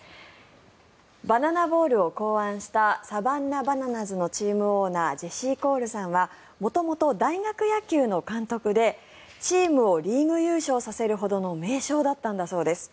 バナナボールを考案したサバンナ・バナナズのチームオーナージェシー・コールさんは元々、大学野球の監督でチームをリーグ優勝させるほどの名将だったんだそうです。